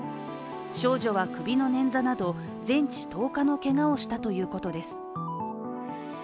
少女は首の捻挫など全治１０日のけがをしたということです。